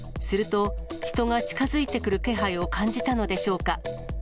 すると、人が近づいてくる気配を感じたのでしょうか。